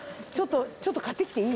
ちょっと買ってきていい？